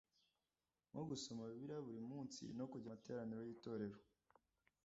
Nko gusoma bibiliya buri munsi no kujya mu materaniro y itorero